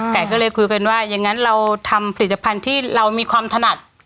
แต่ก็เลยคุยกันว่าอย่างนั้นเราทำผลิตภัณฑ์ที่เรามีความถนัด